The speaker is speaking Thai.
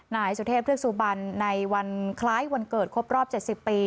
นายสุเทพเทือกสุบันในวันคล้ายวันเกิดครบรอบ๗๐ปี